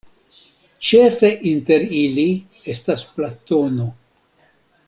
Ĉefe inter ili estas Platono.